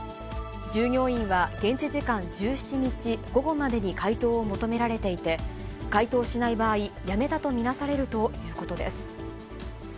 従業員は現地時間１７日午後までに回答を求められていて、回答しない場合、辞めたと見なされるということです。